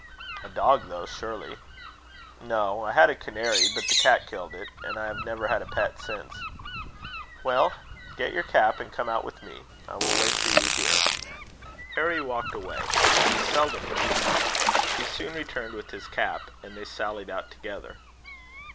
"A dog though, surely?" "No. I had a canary, but the cat killed it, and I have never had a pet since." "Well, get your cap, and come out with me. I will wait for you here." Harry walked away he seldom ran. He soon returned with his cap, and they sallied out together.